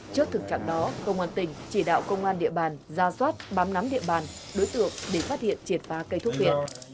trước thực trạng đó công an tỉnh chỉ đạo công an địa bàn ra soát bám nắm địa bàn đối tượng để phát hiện triệt phá cây thúc viện